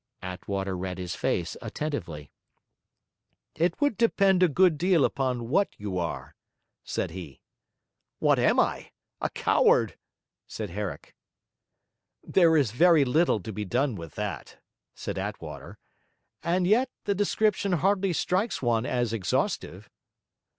Attwater read his face attentively. 'It would depend a good deal upon what you are,' said he. 'What I am? A coward!' said Herrick. 'There is very little to be done with that,' said Attwater. 'And yet the description hardly strikes one as exhaustive.'